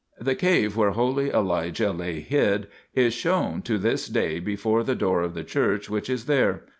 The cave where holy Elijah lay hid is shown to this day before the door of the church which is there.